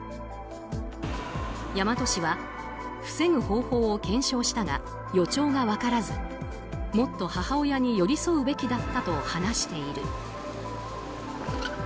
大和市は、防ぐ方法を検証したが予兆が分からず、もっと母親に寄り添うべきだったと話している。